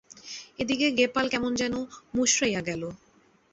এদিকে গেপাল কেমন যেন মুষড়াইয়া গেল।